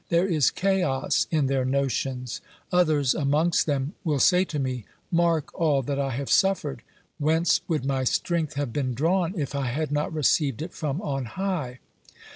There is chaos in their notions. Others amongst them will say to me : Mark all that I have suffered ; whence would my strength have been drawn if I had not received it from on high